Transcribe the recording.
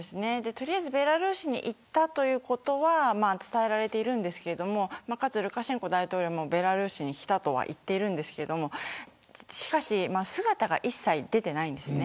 取りあえずベラルーシに行ったということは伝えられていますがかつ、ルカシェンコ大統領もベラルーシに来たとは言っていますが姿が一切、出ていないんです。